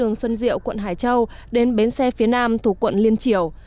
nên bến xe phía nam thuộc quận liên triểu